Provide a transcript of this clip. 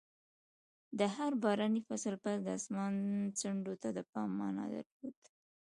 د هر باراني فصل پیل د اسمان ځنډو ته د پام مانا درلود.